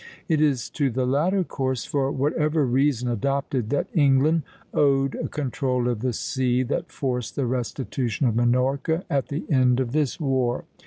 It is to the latter course, for whatever reason adopted, that England owed a control of the sea that forced the restitution of Minorca at the end of this war.